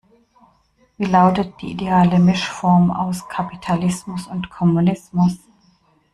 Wie lautet die ideale Mischform aus Kapitalismus und Kommunismus?